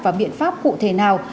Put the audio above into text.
và biện pháp cụ thể nào